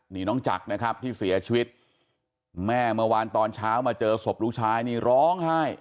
นี่น้องจักรนะครับที่เสียชีวิตแม่เมื่อวานตอนเช้ามาเจอศพลูกชายนี่ร้องไห้